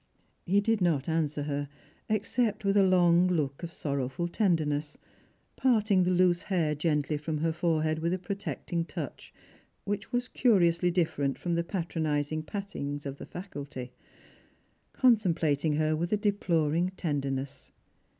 He did not answer her, except with a long look of sorrowful tenderness — parting the loose hair gently from her forehead with a protecting touch, which was curiously different from the patronising pattings of the faculty — contemijlating her with a deploring tenderness.